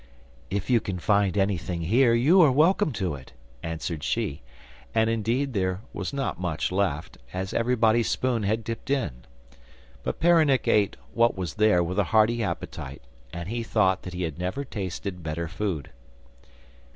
'If you can find anything here, you are welcome to it,' answered she, and, indeed, there was not much left, as everybody's spoon had dipped in. But Peronnik ate what was there with a hearty appetite, and thought that he had never tasted better food.